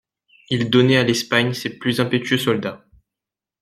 Ils donnaient à l'Espagne ses plus impétueux soldats.